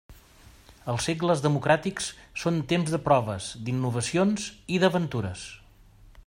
Els segles democràtics són temps de proves, d'innovacions i d'aventures.